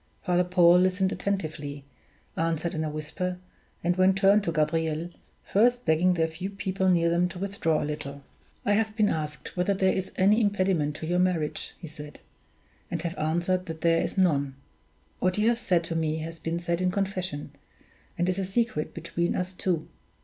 Father Paul listened attentively, answered in a whisper, and then turned to Gabriel, first begging the few people near them to withdraw a little. "I have been asked whether there is any impediment to your marriage," he said, "and have answered that there is none. What you have said to me has been said in confession, and is a secret between us two.